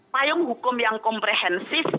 payung hukum yang komprehensif